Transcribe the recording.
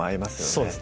そうですね